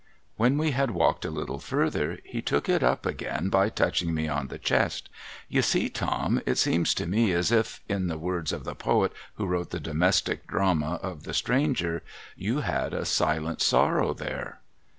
When we had walked a little further, he took it up again by touching me on the chest. ' You see, Tom, it seems to me as if, in the words of the poet 3o8 SOMEBODY'S LUGGAGE who wrote the domestic drama of The Stranger, you had a silent sorrow there.'